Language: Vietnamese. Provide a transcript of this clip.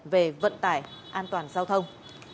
về vận tải an toàn giao thông